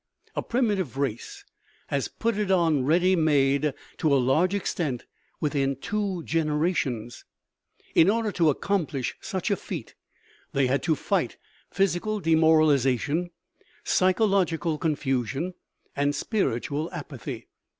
A primitive race has put it on ready made, to a large extent, within two generations. In order to accomplish such a feat, they had to fight physical demoralization, psychological confusion, and spiritual apathy.